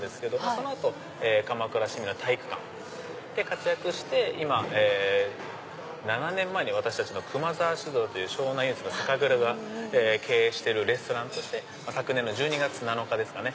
その後鎌倉市民の体育館で活躍して７年前に私たちの熊澤酒造という湘南唯一の酒蔵が経営しているレストランとして昨年の１２月７日ですかね